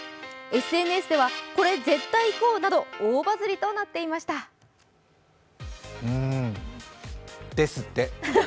ＳＮＳでは、これ絶対行こうなど大バズりとなっていました。ですって。